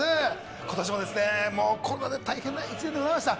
今年もコロナで大変な１年でした。